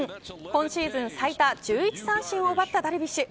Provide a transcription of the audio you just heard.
今シーズン最多１１三振を奪ったダルビッシュ。